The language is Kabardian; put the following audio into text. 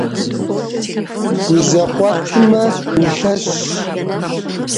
Узэкъуэтмэ, улъэщщ.